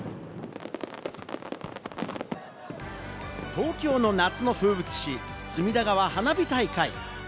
東京の夏の風物詩・隅田川花火大会。